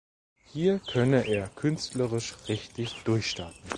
Hier könne er künstlerisch richtig durchstarten.